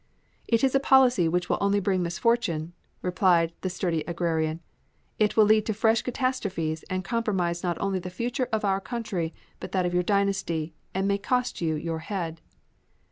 "It is a policy which will only bring misfortune," replied the sturdy Agrarian. "It will lead to fresh catastrophes, and compromise not only the future of our country, but that of your dynasty, and may cost you your head."